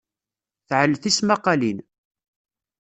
Tɛell tismaqalin.